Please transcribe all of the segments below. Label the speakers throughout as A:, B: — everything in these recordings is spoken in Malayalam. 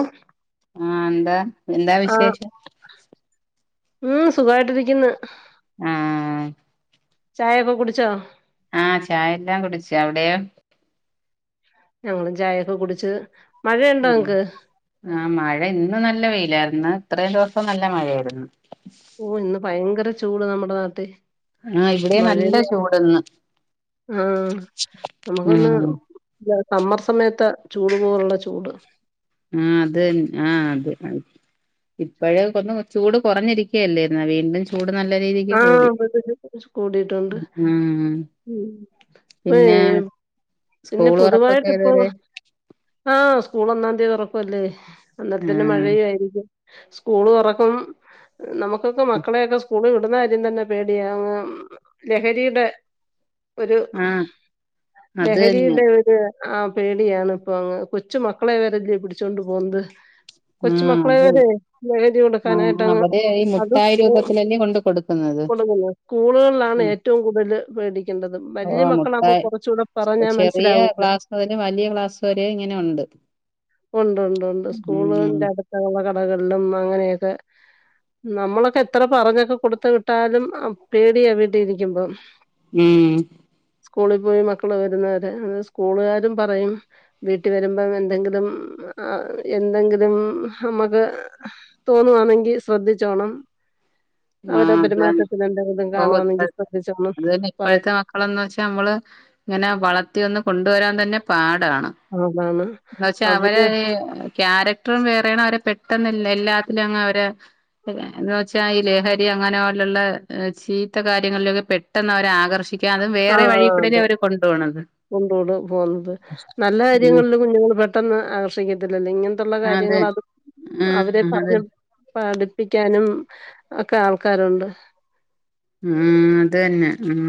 A: ആ
B: ആഹ് എന്താ എന്താ വിശേഷം
A: ഉം സുഖായിട്ടിരിക്കുന്ന്
B: ആഹ്
A: ചായൊക്കെ കുടിച്ചോ
B: ആഹ് ചായെല്ലാം കുടിച്ചു അവിടെയോ
A: ഞങ്ങളും ചായയൊക്കെ കുടിച്ച് മഴണ്ടോ
B: ഉം
A: നിനക്ക്
B: ആഹ് മഴ ഇന്ന് നല്ല വെയിലായിരുന്നു ഇത്രയും ദിവസം നല്ല മഴയായിരുന്നു
A: ഓ ഇന്ന് ഭയങ്കര ചൂട് നമ്മുടെ നാട്ടി
B: ആഹ് ഇവിടെയും നല്ല
A: മഴയില്ല
B: ചൂടിന്ന്
A: ആഹ്
B: ഉം
A: നമ്മുക്കൊന്ന് സമ്മർ സമയത്ത് ചൂട് പോലുള്ള ചൂട്
B: ആഹ് അത് ആഹ് അത് ആഹ് ഇപ്പഴേ ഒന്ന് ചൂട് കുറഞ്ഞിരിക്കുകയല്ലേ വീണ്ടും ചൂ ചൂട് നല്ല രീതിക്ക് കൂടി
A: ആഹ് കൂടിയിട്ടുണ്ട്
B: ആഹ്
A: ഉം ഇപ്പേ
B: പിന്നെ
A: പിന്നെ
B: തുറപ്പൊക്കെ
A: പൊതുവായിട്ട് ഇപ്പൊ
B: ഏതുവരെ
A: ആഹ് സ്കൂൾള് ഒന്നാം തീയതി തുറക്കുവല്ലേ അന്നേരതന്നെ
B: ആഹ്
A: മഴയും ആയിരിക്കും സ്കൂള് തുറക്കും നമുക്കൊക്കെ മക്കളെയൊക്കെ സ് സ്കൂളി വിടുന്ന കാര്യം തന്നെ പേടിയാ അങ്ങ് ലഹരിയുടെ ഒരു
B: ആഹ് അത് തന്നെ
A: ലഹരിയുടെ ഒരു ആഹ് പേടിയാണ് ഇപ്പൊ അങ്ങ് കൊച്ചു മക്കളെ വരെല്ല പിടിച്ചൊണ്ട് പോകുന്നത് കൊച്ചു
B: ആഹ്
A: മക്കളെ
B: അത്
A: വരെ ലഹരി
B: ആഹ്
A: കൊടുക്കാനായിട്ട്ങ്ങ്
B: അവര് ഈ
A: അത്
B: മുട്ടായി
A: പോ
B: രൂപത്തിലല്ലേ കൊണ്ട് കൊടുക്കുന്നത്
A: കൊടുക്കുന്നത് സ്കൂളുകളിലാണ്
B: ഉം
A: ഏറ്റവും കൂടുതല് പേടിക്കേണ്ടത് വല്ല്യ
B: ഓഹ്
A: മക്കളാകുമ്പോൾ
B: മുട്ടായി
A: കുറച്ചൂടെ
B: ചെറിയ ക്ലാസ് മുതല് വലിയ ക്ലാസ് വരെ ഇങ്ങനെ ഉണ്ട്
A: ഉണ്ട് ഉണ്ട് ഉണ്ട്
B: ഉം
A: സ്കൂളന്റെ അടുത്തുള്ള കടകളിലും അങ്ങനെയൊക്കെ നമ്മളൊക്കെ എത്ര പറഞ്ഞൊക്കെ കൊടുത്ത വിട്ടാലും പേടിയാ വീട്ടി ഇരിക്കുമ്പം
B: ഉം
A: സ്കൂളിൽ പോയി മക്കള് വരുന്നവരെ ആഹ് സ്കൂളുകാരും പറയും വീട്ട് വരുമ്പം എന്തെങ്കിലും എന്തെങ്കിലും നമ്മക്ക് തോന്നുവാണെങ്കി ശ്രദ്ധിച്ചോണം അവരെ
B: ആഹ് അതന്നെ
A: പെരുമാറ്റത്തിന് എന്തെകിലും
B: ഓ
A: കാണുവാണെങ്കിൽ ശ്രദ്ധിച്ചോണം പറ
B: ക്കളന്ന് വെച്ചാ നമ്മള് ഇങ്ങനെ വളർത്തി ഒന്ന് കൊണ്ട് വരാൻ തന്നെ പാടാണ്
A: പറയുന്നതാണ്.
B: ന്താച്ചാ അവര് ഈ ക്യാരക്ടറും വേറേണ് അവരെ പെട്ടെന്ന് എല്ലാ എല്ലാത്തിലും അങ്ങ് അവറേ എന്ന് വെച്ചാ ഈ ലഹരി അങ്ങനെ പോലുള്ള ചീത്ത കാര്യങ്ങളിലൊക്കെ പെട്ടെന്ന് അവരാ ആകർഷി ക്കാനും അതും വേറെ വഴിക്കൂടെ അല്ലെ അവര് കൊണ്ടു പോണത്
A: കൊണ്ടോണ്ടത് പോകുന്നത് നല്ല
B: ഉം
A: കാര്യങ്ങളിൽ കുഞ്ഞുങ്ങൾ പെട്ടെന്ന് ആകർഷിക്കത്തില്ലല്ലോ ഇങ്ങൻത്തെുള്ള കാര്യങ്ങൾ അത്
B: ആഹ് അതെ
A: പഠിപ്പിക്കാനും ഒക്കെ ആൾക്കാരുണ്ട്
B: ഊം അത് തന്നെ ഊം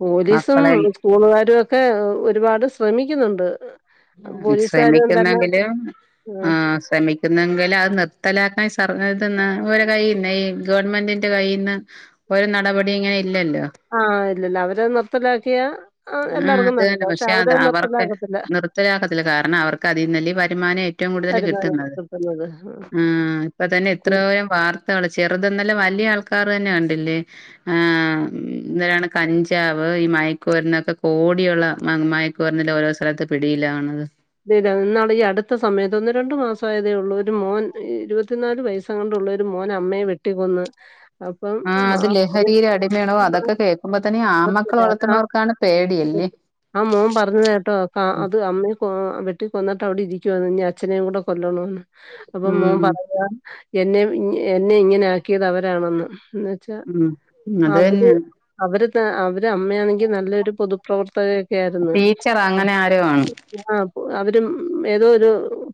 A: പോലീസും
B: മക്കളെ
A: സ്കൂള്കാരു ഒക്കെ ഒരുപാട് ശ്രമിക്കുന്നുണ്ട്
B: ആഹ്
A: പോലീസുകാരും തന്നെ
B: ശ്രമിക്ക്ന്നെങ്കിലും ആഹ് ശ്രമി ക്ക്ന്നെങ്കിലത് നിർത്തലാക്കാൻ സർ ഇത്‌ന്ന് വെരെ കയ്യിന്നെ ഈ ഗവൺമെന്റിന്റെ കയ്യിന്ന് ഒര് നടപടി ഇങ്ങെനെ ഇല്ലെല്ലോ
A: ആഹ് ഇല്ലല്ലാ അവരത് നിർത്തലാക്കിയാ
B: ആഹ്
A: എല്ലാവർക്കും
B: അത്
A: നല്ലതാ.
B: തന്നെ പക്ഷെ
A: അവര്
B: അത് അവർക്ക്
A: നിർത്തലാക്കത്തില്ല.
B: നിർത്തലാക്കത്തില്ല കാരണം അവർക്ക് അതീന്നല്ലേ വരുമാനേ റ്റവും കൂട്തല്
A: വരുമാനമാണ്
B: കിട്ട്ന്നത്
A: കിട്ടുന്നത്.
B: ആഹ് ഇപ്പ തന്നെ
A: ആഹ്.
B: എത്രോയം വാർത്തകള് ചെറ്ത്‌ന്നല്ല വല്യ ആൾക്കാർ തന്നെ കണ്ടില്ലേ ആഹ് ന്തരാണ് കഞ്ചാവ് ഈ മയക്ക്മര്ന്ന് ക്കെ കോടിയുള്ള മ മയക്കമര്ന്ന്ല് ഓരോ സലത്ത് പിടിയിലാവ്ണത്
A: [unintelligible] ഇന്നാള് ഈ അട്ത്ത സമയത്ത് ഒന്ന് രണ്ടു മാസായതേ ഉള്ളൂ ഒരു മോൻ ഇര്പത്തിനാല് വയസ് സെങ്ങാണ്ടുള്ളെ ഒര് മോൻ അമ്മെയെ വെട്ടിക്കൊന്ന് അപ്പം ആ
B: ആഹ് അത് ലഹരിയിലെ അടിമയാണോ അതൊക്കെ കേക്കുമ്പ തന്നെ ഈ ആമ്മക്കള് വളർത്തുന്നവർക്കാണ് പേടിയല്ലേ
A: ആ മോൻ പറഞ്ഞത് കേട്ടോ ക അത് അമ്മയെ കൊ വെട്ടി കൊന്ന്ട്ട് അവ്ടെ ഇരിക്ക്യുവാ അച്ഛനേയും കൂടെ കൊല്ലണംന്ന് അപ്പൊ
B: ഉം
A: മോൻ പറയാ എന്നെം എന്നെ ഇങ്ങെനെ ആക്കിയത് അവരാണെന്ന് ഷെ
B: ഉം അത്
A: അവര്
B: തന്നെ
A: അവരാെക്കെ അവര് അമ്മയാന്നെങ്കി നല്ലെരു പൊതു പ്രവർത്തകെക്കെ ആയ്ര്ന്ന്
B: ടീച്ചർ അങ്ങനെ ആരോ ആണ്
A: ആഹ് അവരും ഏതോ ഒരു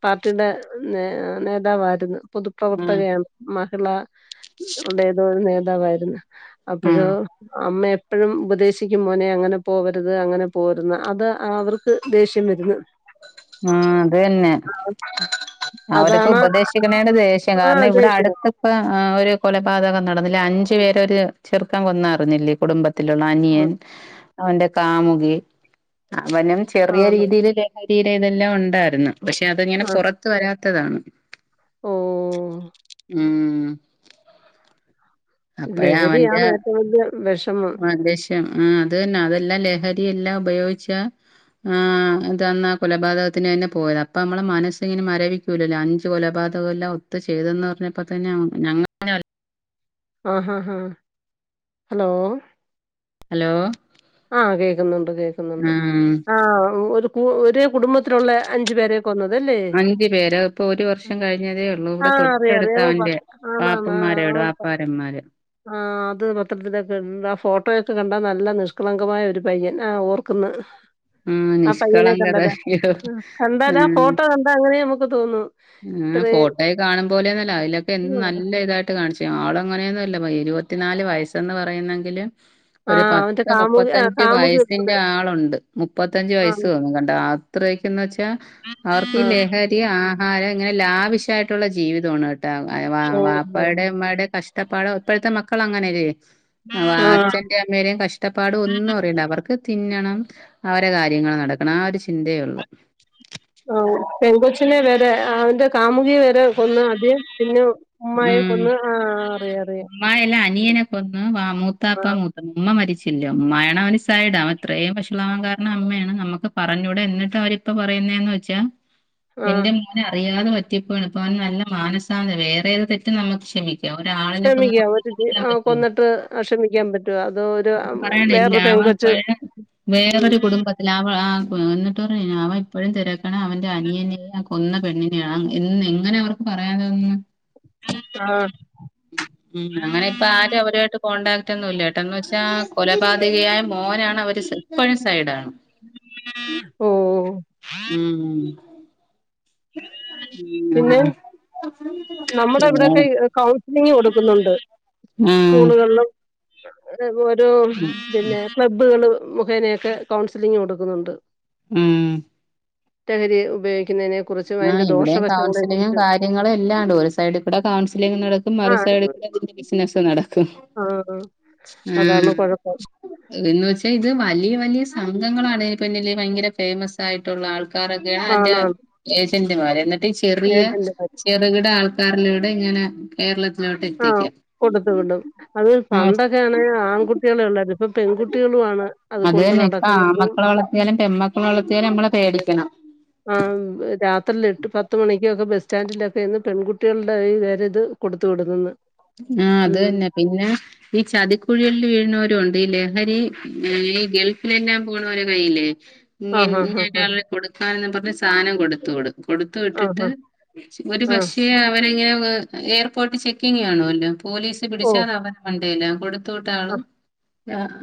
A: പാർട്ടിടെ നേ നേതാവായ്ര്ന്ന് പൊതു
B: ഉം
A: പ്രവർത്തകയാണ് മഹിളാ ടേതോ ഒരു നേതാവായ്ര്ന്ന്
B: ഉം
A: അപ്പെഴോ അമ്മെ പ്പെഴും ഉപദേശിക്കും മോനെ അങ്ങെനെ പോവര്ത് അങ്ങെനെ പോവര്ത്‌ന്ന്‌ അത് അവർക്ക് ദേഷ്യം വെര്ന്ന്
B: ആഹ് ത് തെന്നെ അവര്ക്ക്
A: അതാണ്
B: ഉപദേശിക്ക്ണേന് ദേശ്യാ
A: ആ
B: കാര്ണം ഇവ്ടെ
A: ദേഷ്യം
B: അട്ത്ത് പ്പാ ആഹ് ഒര് കൊലപാതകം നടന്നില്ലെ അഞ്ച് പേരെ ഒര് ചെർക്കൻ കൊന്നർഞ്ഞില്ലെ കുടുംബ ത്തിലുള്ള അനിയൻ അവന്റെ കാമുകി അവനും
A: ആ
B: ചെറിയെ
A: ആണ്
B: രീതിയില് ലെ തീരെ ഇതെല്ലാം ഉണ്ടായ്ര്ന്ന് പക്ഷെ അത്ങ്ങെനെ പാെറത്ത് വരാത്തതാണ്
A: ഓഹ്
B: ഊം
A: ലഹരിയാണ് ഏറ്റവും വല്യ വെഷം
B: ആഹ് വെഷം ആഹ് അത് തന്നാ അതെല്ലാം ലഹരിയെല്ലാം ഉപയോഗിച്ചാ ആഹ് അത് അന്നാ കൊലപാതകത്തിനെന്നെ പോയെത് അപ്പം അമ്മളെ മനസിങ്ങനെ മരവി ക്കൂലല്ലോ അഞ്ച് കൊലപാതകെല്ലാം ഒത്ത് ചെയ്തെന്ന് പർഞ്ഞപ്പതന്നെ ഞങ്ങ
A: ആഹ് ഹാഹ് ഹാഹ് ഹലോ
B: ഹലോ
A: ആഹ് കേക്ക്ന്നുണ്ട് കേക്ക്ന്നുണ്ട്
B: ഉം
A: ആഹ് ഒരു പൂ ഒര് കുടുംബത്തിലുള്ളെ അഞ്ച് പേരെ കൊന്നത് അല്ലേ
B: അഞ്ചു പേര് ഇപ്പൊ ഒരു വർഷം കഴിഞ്ഞതേ ഉള്ളൂ ഇവിടെ
A: ആഹ് അറിയാ
B: തൊട്ടടുത്ത
A: അറിയാം ഓഹ് പ
B: അവന്റെ
A: ആന്നാന്ന്
B: പാപ്പന്മാരോട്
A: ആഹ്
B: വാപ്പാരന്മാര്
A: [unintelligible] ആഹ് അത് പത്രത്തിലൊക്കെ ആ ഫോട്ടോയൊക്കെ കണ്ടാ നല്ല നിഷ് കളങ്കമായ ഒരു പയ്യൻ ആഹ് ഓർക്ക്ന്ന്
B: ആ
A: ആഹ് പയ്യനെ
B: നിഷ്കളങ്കത
A: കണ്ടത് ഉം കണ്ടാല് ആ ഫോട്ടോ കണ്ടാ അങ്ങെനേ നമ്ക്ക് തോന്നൂ
B: ഉം ഫോട്ടോയി കാണും പോലെയൊന്നു അല്ല അയ്ലൊക്കെ എൻ നല്ല ഇതായ് ട്ട് കാൺച്ച് ആള് അങ്ങനെയൊന്നു അല്ല പ ഇരുപത്തിനാല് വയസ്സെന്ന് പറയ്ന്നെങ്കില് ഒര്
A: ആഹ് അവന്റെ
B: പത്ത്
A: കാമുകി ആഹ്
B: മുപ്പത്തഞ്ച്
A: കാമുകി
B: വയസ്സിന്റെ
A: ഉൾപ്പെടെ
B: ആളുണ്ട് മുപ്പത്തഞ്ച്‌ വയസ്
A: ആഹ്
B: തോന്നും കണ്ടാ അത്രയ്ക്കുംന്ന്വെച്ചാ അവർക്ക് ഈ
A: ആഹ്
B: ലഹരി ആഹാരം ഇങ്ങനെ ലാവിശ്വായിട്ടുള്ള ജീവിതാണ്
A: ഓഹ്
B: വാപ്പാടെ ഇമ്മാടെ കഷ്ടപാട് ഇപ്പഴത്തെ മക്കളങ്ങനെയെല്ലെ ആഹ് അച്ഛന്റെയും അമ്മയ്ടെയും കഷ്ടപാട് ഒന്നും അറിയണ്ട അവർക്ക് തിന്നണം അവരെ കാര്യങ്ങള്നടക്കണം ആ ഒരു ചിന്തേയൊള്ളൂ
A: ആഹ് പെൺകൊച്ചിനെ വരെ അവന്റെ കാമുകിയെ വരേ കൊന്നാദ്യം പിന്നെ ഉമ്മായെ
B: ഉം
A: കൊന്ന് ആഹ് അറിയാം അറിയാം
B: ഉമ്മായല്ല അനിയനെ കൊന്ന് മൂത്താപ്പ
A: ആഹ്
B: മൂത്ത ഉമ്മ മരിച്ചില്ല ഉമ്മ അയിന് അവൻ സൈഡാ അവന് ഇത്രേയും വശളാവാൻ കാരണം അമ്മേണ് അമ്മക്ക് പറഞ്ഞൂടെ എന്നിട്ട് അവരിപ്പ പറയുന്നേന്ന് വെച്ചാ
A: ആഹ്
B: എന്റെ മോന് അറിയാതെ പറ്റി പോയതാ ഇപ്പവന് നല്ല മാനസാണ് വേറേത് തെറ്റും ന്നമ്മക്ക് ക്ഷമിക്ക ഒരാളിനെ
A: ക്ഷമിക്കാം
B: [unintelligible]
A: ഒരു ജീ
B: ഒുര്മിക്കാൻ
A: ആഹ്
B: പറ്റോ
A: കൊന്നിട്ട് ക്ഷമിക്കാൻ പറ്റുവോ അതോ ഒരു
B: ആ
A: ഉം,
B: പറയണില്ല
A: വേറൊരു
B: അവൻ
A: പെങ്കൊച്ച് ഉം
B: വേറൊരു കുടുംബത്തി ആഹ് എന്നിട്ട് പറയാ അവനിപ്പഴും തിരക്കാണ് അവന്റെ അനിയന്റെ കൊന്ന പെണ്ണിന്റിം ഇതെങ്ങനെ അവർക്ക് പറയാതെ തോന്നിയേ
A: ആഹ്
B: ഉം അങ്ങനെപ്പാരും അവരു ആയിട്ട് കോൺടാക്റ്റൊന്നുല്ലെട്ടാ എന്നുവെച്ചാ കൊലപാതകിയാ മോനാണ് അവര് ഇപ്പഴും സൈഡാണ്
A: ഓ
B: ഉം ഉം
A: പിന്നെ നമ്മളെ ഇവിടൊക്കെ ക കൗൺസിലിംഗ് കൊടുക്കുന്നുണ്ട്
B: ഉം
A: സ്ക്കൂകളിലും പിന്നെ ഒരു ക്ലബ്ബുകള് മുഖേനയൊക്കെ കൗൺസിലിംഗ് കൊടുക്കുന്നുണ്ട്
B: ഉം
A: ലഹരി ഉപയോഗിക്കുന്നതിന്
B: ആഹ് ഇവിടെയും കൗൺസിലിങ്ങും കാര്യങ്ങളും എല്ലാ ഉണ്ട് ഒരു സൈഡ് കൂടെ കൗൺസിലിംങ് നട
A: ആ
B: മറുസൈഡ്ന്റ [inaudible] ബിസിനസ് നടക്കും
A: ആ അതാണ്
B: ആഹ്
A: കുഴപ്പം
B: എന്ന് വെച്ചാ ഇത് വലിയ വലിയ സംഘങ്ങളാണെ പിന്നില് ഭയങ്കര ഫേമസ് ആയിട്ടുള്ള ആൾക്കാ രോക്കെയാണ് അവന്റെ
A: ആണാണ്
B: ഏജന്റ്മാര് എന്നിട്ട് ചെറിയ ചെ
A: ഏജന്റുമാര്
B: ചെറുകിട ആൾക്കാരിലൂടെ ഇങ്ങനെ കേരളത്തിലോട്ട്
A: ആ
B: എത്തിക്കാം
A: കൊടുത്തു വിടും അത് പണ്ടൊക്കെയാണ് ആൺകുട്ടികളെ ഉള്ളരു ഇപ്പൊ പെൺകുട്ടികളു ആണ്
B: അത്
A: അത്കൊണ്ട്
B: തന്നെ ഇപ്പ
A: നടക്കുന്നതും
B: ആമക്കളെ വളർത്തിയാലും പെമ്മക്കളെ വളർത്തിയാലും നമ്മളെ പേടിക്കണം.
A: ആഹ് രാത്രില് എട്ട് പത്ത് മണിക്കൊക്കെ ബസ് സ്റ്റാൻഡിലൊക്കെ ഇരുന്ന് പെൺകുട്ടികളുടെ ഒരു ഇത് കൊടുത്തു വിടുന്നുന്ന്
B: ആഹ് അത് തന്നെ പിന്നെ ഈ ചതിക്കുഴികളിൽ വീഴ്ണോരും ഉണ്ട് ഈ ലഹരി ഈ ഗൾഫിലെല്ലാം പോണവര കയ്യില്ലേ ഇ
A: ആ ഹാ
B: ഇന്ന
A: ഹാ ഹാ
B: ഒരാളെ കൊടുക്കാനന്ന് പറഞ്ഞ് സാധനം കൊടുത്തു വിടും കൊടുത്തു
A: ആ
B: വിട്ടിട്ട്
A: ഹാ
B: ഒരു
A: ആ
B: പക്ഷേ അവനങ്ങനെ വെ എയർപോർട്ട് ചെക്കിങ് കാണു അല്ലോ പോലീസ്
A: ഓ
B: പിടിച്ചാൽ അത് അവരെ മണ്ടേലാവും കൊടു കൊടുത്തു
A: ആ
B: വിട്ടതാളും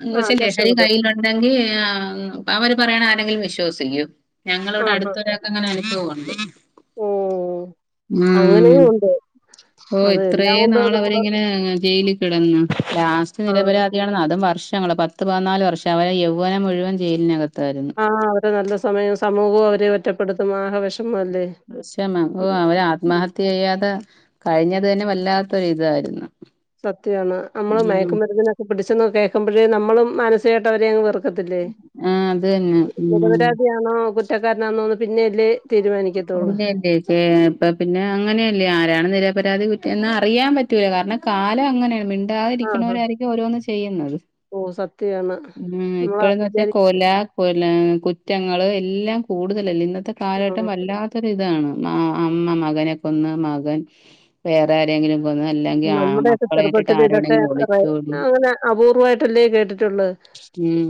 B: എന്ന്
A: ആ
B: വെച്ചാ ലഹരി
A: രക്ഷപ്പെടും
B: കയ്യില ണ്ടെങ്കിൽ അവര് പറയണ ആരെങ്കിലും വിശ്വസിക്കൂ ഞങ്ങളോട്
A: ആ ഹാ
B: അടുത്തൊര അങ്ങനെ എനിക്ക് തോണ [inaudible]
A: ഓ അങ്ങനെയും
B: ഉം
A: ഉണ്ട്.
B: ഓ
A: അത് എല്ലാം
B: ഇത്രയേ
A: കൊണ്ട്
B: ന
A: നമ്മള്
B: ജയിൽ കിടന്ന ലാസ്റ്റ്
A: ആഹ്
B: നിരപരാധിയാണ് അതും വർഷങ്ങളള് പ പത്ത് പതിനാല് വർഷം അവരെ യൗവനം മുഴുവൻ ജയിലിനകത്തായിരുന്നു
A: ആഹ് അവരെ നല്ല സമയം സമൂഹവും അവരെ ഒറ്റപ്പെടുത്തും ആഹ വിഷമ അല്ലേ
B: പക്ഷെ [unintelligible] അവര് ആത്മഹത്യ ചെയ്യാതെ കഴിഞ്ഞത് തന്നെ വല്ലാത്തൊര് ഇതായിരുന്നു
A: സത്യാണ് നമ്മള്
B: ഉം
A: മയക്കുമരുന്നിനൊക്കെ പിടിച്ചെന്ന് കേക്കുമ്പഴേ നമ്മളും മാനസികായിട്ട് അവരങ് വെറു ത്തില്ലേ
B: ആ അത് തന്നെ ഉം
A: നിരപരാധി ആണോ കുറ്റക്കാരനാന്നോന്ന് പിന്നെയല്ലേ തീരുമാനിക്കത്തുള്ളൂ.
B: പിന്നെ അല്ലെ ഏ ഇപ്പ പിന്നെ അങ്ങനെയല്ലേ ആരാണ് നിരപരാതി കുറ്റന്ന് അറിയാം പറ്റൂല കാരണം കാലം അങ്ങനെണ് മിണ്ടാതിരിക്കുന്നവരായിരിക്കും ഓരോന്ന് ചെയ്യുന്നത്
A: ഉം സത്യാണ്
B: ഉം
A: നമ്മള്
B: ഇപ്പഴന്ന് വെച്ചാ
A: വിചാരിക്കും
B: കൊല കൊല കുറ്റങ്ങള് എല്ലാം കൂടുതലല്ലേ ഇന്നത്തെ
A: ആഹ്
B: കാലഘട്ടം വല്ലാ ല്ലാത്തൊരിതാണ് അമ്മ മകനെ കൊന്ന് മകൻ വേറെ ആരെങ്കിലും ന്ന് അല്ലെങ്കി ആൺ
A: നമ്മുടെയൊക്കെ
B: മക്കളെ ഇട്ടിട്ട് ആരോടെങ്കിലു ഒളിചോടി
A: അപൂർവായിട്ടല്ലേ കേട്ടിട്ടള്ളൂ
B: ഉം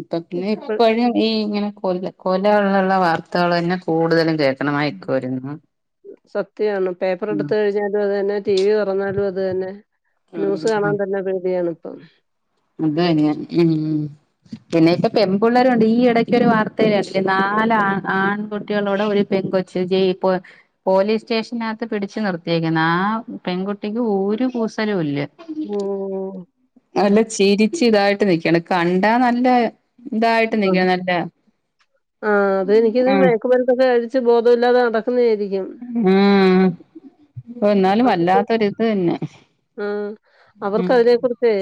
B: ഇപ്പ പിന്നെ ഇപ്പഴും ഈ ഇങ്ങനെ കൊല കൊലള്ളള്ള വാർത്തെളന്നെ കൂടുതലും കേ
A: സത്യാണ് പേപ്പറ്
B: ഉം.
A: എടുത്ത് കഴിഞ്ഞാലും അതന്നെ ടി വി തോറന്നാലും അത് തന്നെ ന്യൂസ് കാണാൻ
B: ഉം.
A: തന്നെ പേടിയാണ് ഇപ്പം
B: അതന്നെ ഉം പിന്നെ ഇപ്പ പെമ്പുള്ളെരുംണ്ട് ഈ എടക്കൊരു വാർത്തയില് കണ്ടില്ലേ നാല് ആ ആൺകുട്ടികളോട ഒരു പെങ്കൊച് ജഴിപ്പോ പോലീസ് സ്റ്റേഷനകത്ത് പിടിച്ചു നിർത്തിയേക്കുന്ന് ആ പെൺകുട്ടിക്ക് ഒരു കൂസലു ഇല്ല
A: ഉം
B: നല്ല ചിരിച്ച് ഇതായിട്ട് നിക്ക്ണ് കണ്ടാ നല്ല ഇതായിട്ട്
A: ആ
B: നിക്കണം നല്ല
A: ആ അത എനിക്ക് ഇത് മേ
B: ആഹ്
A: [unintelligible] കഴിച്ച് ബോധല്ലാതെ നടക്കുന്നതായിരിക്കും
B: ഉം ന്നാലും വല്ലാത്തൊരി ഇത് തന്നെ
A: ഉം
B: ഉം
A: അവർക്കതിനെ കുറിചെ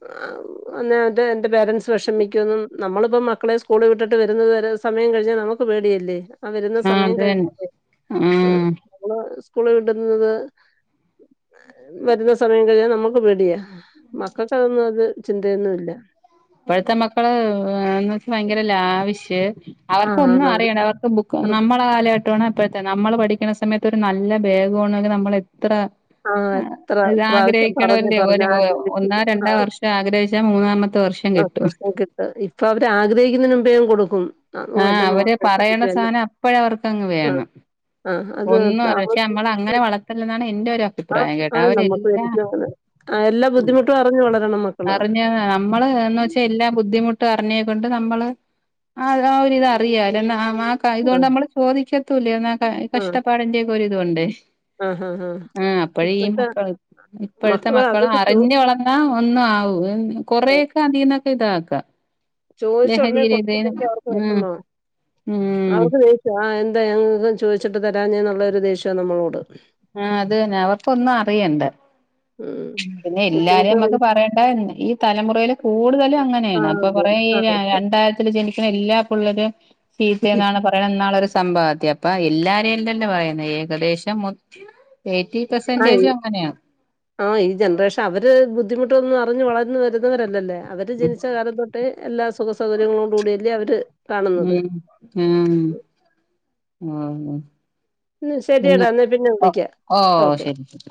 A: [unintelligible] എന്റെ പേരൻസ് വെഷമിക്കുംന്നും നമ്മളിപ്പ മക്കളെ സ്കൂള് വിട്ടിട്ട് വരുന്നത് വരെ സമയം കഴിഞ്ഞാ നമുക്ക് പേടിയല്ലേ ആ വരുന്ന
B: ആഹ്
A: സമയം
B: അത് തന്നെ
A: കഴിഞ്ഞാലേ
B: ആഹ്
A: നമ്മള് സ്കൂള് വിടുന്നത് വരുന്ന സ് സമയം കഴിഞ്ഞാ നമുക്ക് പെടിയാ മക്കക്കതൊന്നും അത് ചിന്തയൊന്നു ഇല്ല,
B: ഇപ്പഴത്തെ മക്കള് [unintelligible] ഭയങ്കര ലാവിഷ് അവർക്ക്
A: ആഹ്
B: ഒന്നു
A: അവര്
B: അറിയണ്ട അവർക്ക് ബുക്ക് നമ്മ കാലഘട്ടാണ് അപ്പഴത്തെ നമ്മള് പഠിക്ക്ണ സമയത്ത് ഒരു നല്ല ബെഗ് വാണെങ്കി നമ്മള് എത്ര
A: ആഹ് എത്ര പ്രാവശ്യം പറഞ്ഞ്
B: ആഗ്രഹിക്ക്ണോന്റെ
A: പറഞ്ഞ്
B: ഒര് ഒന്നാ
A: ആഗ്രഹിച്ച്
B: രണ്ടാ വർഷം ആഗ്രഹിച്ചാ മൂന്നാമത്തെ വർഷം,
A: ആ
B: കിട്ടും
A: പ്രഷ്ന കിട്ട ഇപ്പ അവര് ആഗ്രഹിക്കുന്നതിന് മുമ്പേ അങ്ങ് കൊടുക്കും, ആഹ്
B: ആ
A: ഓഹ് എന്റെ മോൻ
B: അവര് പറയണ
A: വിശപ്പിച്ചു എന്റെ
B: സാനം അപ്പഴ അവർക്കങ്ങ്
A: ആഹ്
B: വേണം,
A: ആഹ് അത്
B: ഒന്നു അറി പക്ഷെ നമ്മള് അങ്ങനെ വളർത്തല്ലെന്നാണ് എന്റെ ഒരു അ
A: ആ ആ നമ്മുക്ക് [unintelligible] ആ എല്ലാ ബുദ്ധിമുട്ടും അറിഞ്ഞു വളരണം മക്കള്,
B: അറിഞ്ഞ നമ്മള് എന്ന് വെച്ചാ, എല്ലാ ബുദ്ധിമുട്ടും അറിഞ്ഞേ കൊണ്ട് നമ്മള്, അ ആ ഒരിത് അറിയാ എന്നാ [unintelligible] ഇതോണ്ട്
A: ആഹ്
B: നമ്മള് ചോദിക്കത്തൂല്ല എന്നാ ക
A: ആഹ്
B: കഷ്ടപ്പാടിന്റെ, ഒരിതുണ്ടേ,
A: ആഹ് ആഹ് ആഹ്
B: ആ അപ്പഴി ഈ
A: ഇപ്പഴത്തെ
B: മക്കള് ഇപ്പഴത്തെ
A: മക്കള്
B: മക്കളെ
A: അതൊക്കെ ചോ
B: അറിഞ് വള ആ ഒന്ന് ആവൂ കൊറെയൊക്കെ അതിന്നൊക്കെ ഇതാക്കാ
A: ചോഴിച്ച ഉടനെ കൊടുത്തില്ലെങ്കി അവർക്ക്
B: ഉം
A: വെശമാ
B: ഉം
A: അവർക്ക്, ആഹ് എന്താ ഞങ്ങക്ക് ചോദിച്ചിട്ട് തരാഞ്ഞേന്നുള്ളൊരു ദേഷ്യണ് നമ്മളോട്.
B: ആഹ് അതെന്നെ അവർക്കൊന്നും അറിയണ്ട.
A: ഉം
B: പിന്നെ എല്ലാരും
A: ബുദ്ധിമുട്ടുകള്
B: നമ്മുക്ക് പറയേണ്ട ഈ തലമുറൽ കൂടുതലും അങ്ങനെയാണ്
A: ആഹ്
B: അപ്പൊ
A: അതെ
B: കുറേ ഈ
A: ആഹ്
B: രണ്ടായിര ജനിക്കുന്ന എല്ലാ പള്ളേരും സീത്ത എന്നാണ് പറ എന്നുള്ള ഒരു സംഭവംത്തി അപ്പ എല്ലാരെയല്ലല്ലേ പറയുന്നത് ഏകദേശം മു തേറ്റി
A: ആഹ്
B: പെർസെന്റേജും അങ്ങനെയാ
A: ആഹ് ഈ ജനറേഷൻ അവര് ബുദ്ധിമുട്ടൊന്നും അറിഞ്ഞ് വളർന്നു വരുന്നവരല്ലല്ലോ അവര് ജനിച്ച കാലം തൊട്ടേ എല്ലാ സുഖ സൗകര്യങ്ങളോട് കൂടിയല്ലേ അവര് കാണുന്നത്.
B: ഉം ഉം ആഹ് അല്ല
A: ശരിയടാ എന്നാ പിന്നെ
B: ഒ
A: വിളിക്കാം
B: ഓഹ്
A: ഓക്കെ
B: ശെരി ശെരി